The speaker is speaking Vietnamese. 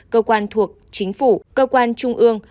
cơ quan thuộc chính phủ cơ quan trung ương